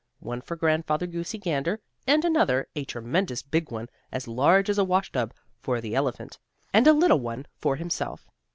One for Grandfather Goosey Gander, and another, a tremendous big one, as large as a washtub, for the elephant, and a little one for himself.